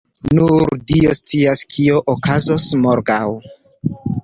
Nur dio scias kio okazos morgaŭ.